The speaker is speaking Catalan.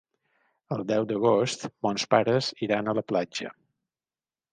El deu d'agost mons pares iran a la platja.